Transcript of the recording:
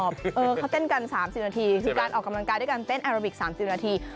เขาเต้นกัน๓๐นาทีคือการออกกำลังกายด้วยการเต้นแอโรบิก๓๐นาที